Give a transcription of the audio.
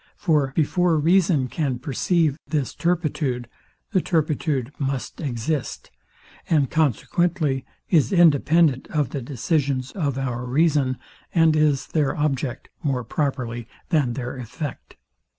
For before reason can perceive this turpitude, the turpitude must exist; and consequently is independent of the decisions of our reason, and is their object more properly than their effect.